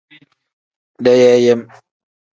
Deyeeyem.